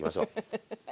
フフフッ。